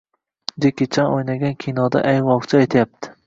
Djeki Chan o‘ynagan kinoda ayg‘oqchi aytyapti: